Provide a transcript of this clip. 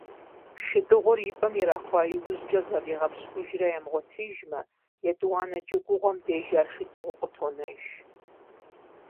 Шыдыгъур и пӀэм ирахуа и ужькӀэ зафӀигъэпщкӀужрэ ямыгъуэтыжмэ, етӀуанэ джэгугъуэм деж ар шыдыгъуу къытонэж.